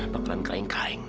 bakalan kain kain ya